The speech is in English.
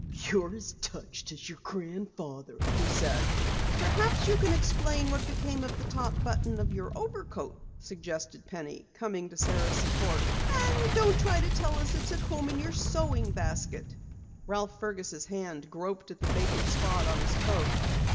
"You're as touched as your grandfather," he said. "Perhaps you can explain what became of the top button of your overcoat," suggested Penny coming to Sara's support. "And don't try to tell us it's home in your sewing basket!" Ralph Fergus' hand groped at the vacant spot on his coat.